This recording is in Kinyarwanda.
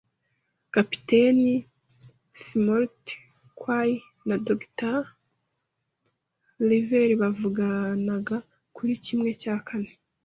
Kapiteni Smollett, squire, na Dr. Livesey bavuganaga kuri kimwe cya kane